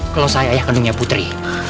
kalau saya ayah kandungnya putri